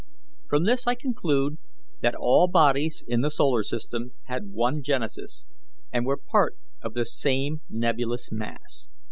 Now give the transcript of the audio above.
From this I conclude that all bodies in the solar system had one genesis, and were part of the same nebulous mass.